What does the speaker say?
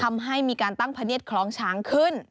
ทำให้มีการตั้งพะเนียดคล้องช้างขึ้น